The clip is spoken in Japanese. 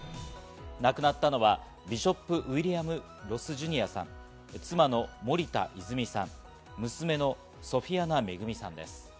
亡くなったのはビショップ・ウィリアム・ロス・ジュニアさん、妻の森田泉さん、娘のソフィアナ恵さんです。